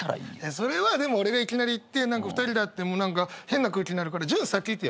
それはでも俺がいきなり行って２人で会っても変な空気になるから潤先いてよ。